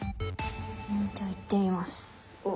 じゃあいってみます。